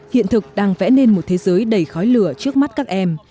hiện thực đang vẽ nên một thế giới đầy khói lửa trước mắt các em